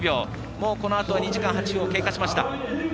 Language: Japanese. もう、このあと２時間８分を経過しました。